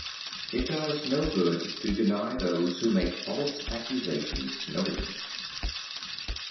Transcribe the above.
It does no good to deny those who make false accusations knowingly.